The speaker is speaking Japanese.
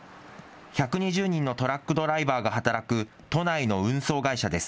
１２０人のトラックドライバーが働く都内の運送会社です。